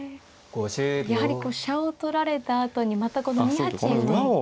やはり飛車を取られたあとにまた２八馬を。